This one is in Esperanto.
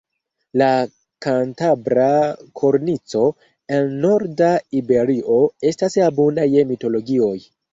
La Kantabra Kornico, en norda Iberio, estas abunda je mitologioj.